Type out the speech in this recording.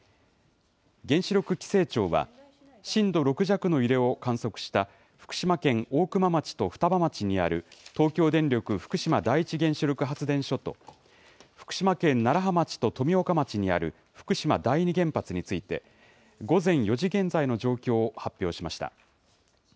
原子力規制庁は、震度６弱の揺れを観測した、福島県大熊町と双葉町にある、東京電力福島第一原子力発電所と、福島県楢葉町と富岡町にある福島第二原発について、午前４時現在の状況を発表しました。